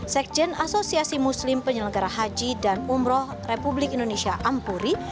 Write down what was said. sekjen asosiasi muslim penyelenggara haji dan umroh republik indonesia ampuri